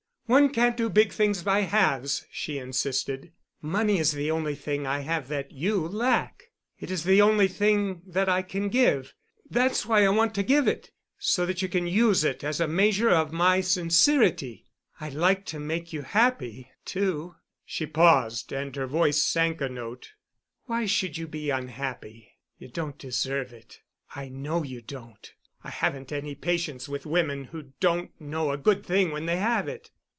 "One can't do big things by halves," she insisted. "Money is the only thing I have that you lack. It is the only thing that I can give—that's why I want to give it—so that you can use it as a measure of my sincerity. I'd like to make you happy, too——" She paused, and her voice sank a note. "Why should you be unhappy? You don't deserve it. I know you don't. I haven't any patience with women who don't know a good thing when they have it."